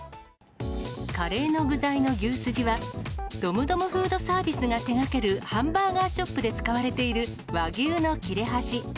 カレーの具材の牛すじは、ドムドムフードサービスが手がけるハンバーガーショップで使われている和牛の切れ端。